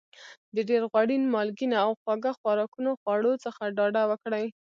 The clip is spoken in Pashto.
د ډېر غوړ مالګېنه او خواږه خوراکونو خواړو څخه ډاډه وکړئ.